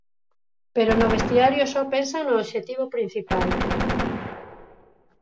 Pero no vestiario só pensan no obxectivo principal.